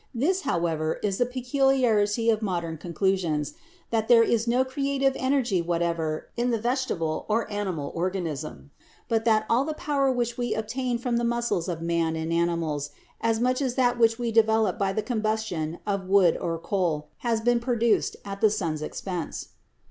This, however, is the peculiarity of modern conclusions: that there is no cre ative energy whatever in the vegetable or animal organism, but that all the power which we obtain from the muscles of man and animals, as much as that which we develop by the combustion of wood or coal, has been produced at the sun's expense.